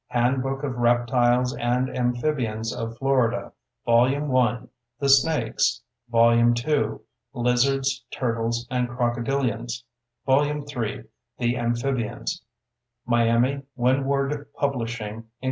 Handbook of Reptiles and Amphibians of Florida. Vol. 1, The Snakes; Vol. 2, Lizards, Turtles and Crocodilians; Vol. 3, The Amphibians. Miami: Windward Publishing, Inc.